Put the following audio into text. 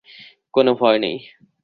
কোনো ভয় নেই।